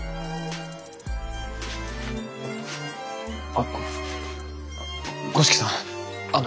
あっご五色さんあの。